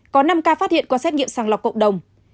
có năm ca phát hiện qua xét nghiệm sàng lọc cộng đồng